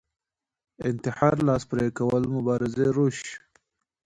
انتحار لاس پورې کول مبارزې روش